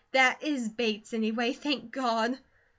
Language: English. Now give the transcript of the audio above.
THAT is BATES, anyway. Thank God!"